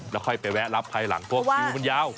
และค่อยไปแวะรับไข่หลังพวกคิ้วมันยาว